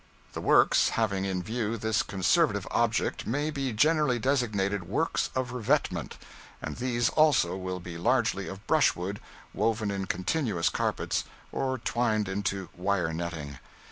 The works having in view this conservative object may be generally designated works of revetment; and these also will be largely of brushwood, woven in continuous carpets, or twined into wire netting.